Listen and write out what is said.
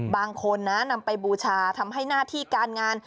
บางคนนะนำไปบูชาทำให้หน้าที่การงาน